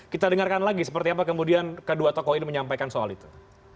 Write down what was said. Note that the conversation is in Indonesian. kita dengarkan lagi seperti apa kemudian kedua tokoh ini menyampaikan soal itu